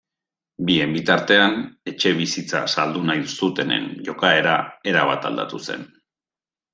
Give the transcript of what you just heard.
Bien bitartean, etxebizitza saldu nahi zutenen jokaera erabat aldatu zen.